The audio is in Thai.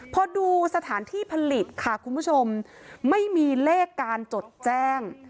พอดูสถานที่ผลิตค่ะคุณผู้ชมไม่มีเลขการจดแจ้ง